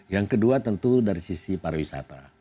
yang kedua tentu dari sisi para wisata